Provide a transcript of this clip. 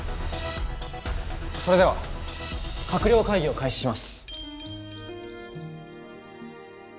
それでは閣僚会議を開始します。